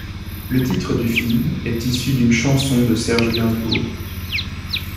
Le titre du film est issu d'une chanson de Serge Gainsbourg.